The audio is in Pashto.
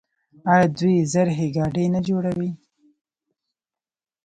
آیا دوی زرهي ګاډي نه جوړوي؟